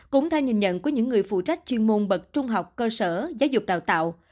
cũng theo nhìn nhận của những người phụ trách chuyên môn bậc trung học cơ sở giáo dục đào tạo